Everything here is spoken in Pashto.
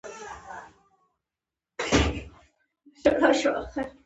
دا پروسه د اصلي فعالیتونو په صفت ومني.